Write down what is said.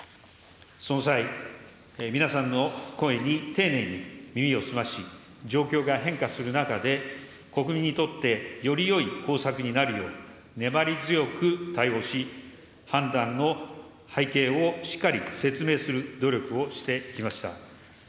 その際、皆さんの声に丁寧に耳を澄まし、状況が変化する中で、国民にとってよりよい方策になるよう、粘り強く対応し、判断の背景をしっかり説明する努力をしてきました。